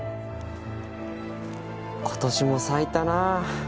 今年も咲いたな。